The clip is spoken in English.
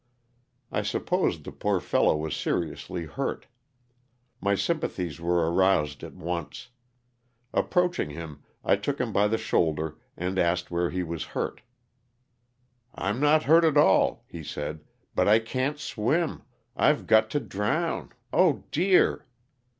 I supposed the poor fellow was seriously hurt. My sympathies were aroused at once. Approaching him, I took him by the shoulder and asked where he was hurt. I'm not hurt at all,'' he said, "but I can't swim, I've got to drown, dear."